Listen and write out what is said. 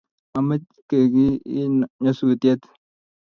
Momeke kiy kiy nyasutiet